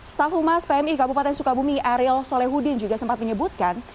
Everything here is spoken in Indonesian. staf humas pmi kabupaten sukabumi ariel solehudin juga sempat menyebutkan